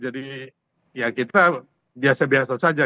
ya kita biasa biasa saja